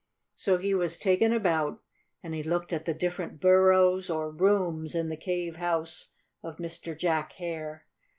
So he was taken about, and he looked at the different burrows, or rooms, in the cave house of Mr. Jack Hare.